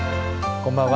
こんばんは。